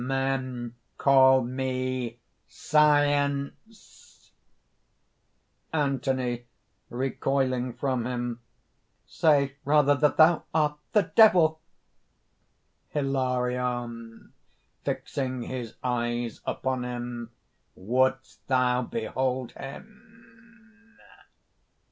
Men call me SCIENCE!" ANTHONY (recoiling from him): "Say, rather, that thou art ... the Devil!" HILARION (fixing his eyes upon him:) "Wouldst thou behold him?"